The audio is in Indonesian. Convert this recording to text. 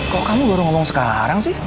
kok kamu baru ngomong sekarang sih